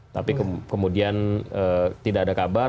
tapi kemudian tidak ada kabar